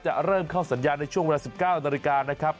เริ่มเข้าสัญญาณในช่วงเวลา๑๙นาฬิกานะครับ